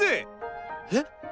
えっ！？